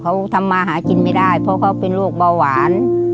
เขาทำมาหากินไม่ได้เพราะเขาเป็นโรคเบาหวาน